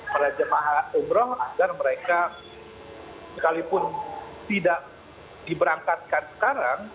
para jemaah umroh agar mereka sekalipun tidak diberangkatkan sekarang